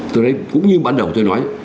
tôi thấy cũng như ban đầu tôi nói